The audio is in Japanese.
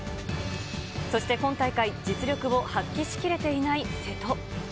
そして今大会、実力を発揮しきれていない瀬戸。